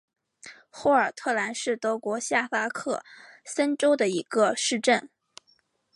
霍尔特兰是德国下萨克森州的一个市镇。